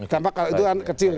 dampak itu kan kecil